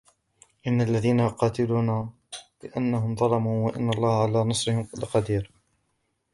أُذِنَ لِلَّذِينَ يُقَاتَلُونَ بِأَنَّهُمْ ظُلِمُوا وَإِنَّ اللَّهَ عَلَى نَصْرِهِمْ لَقَدِيرٌ